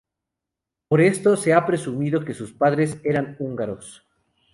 Por esto se ha presumido que sus padres era húngaros.